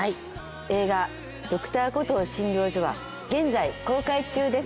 映画『Ｄｒ．コトー診療所』は現在公開中です。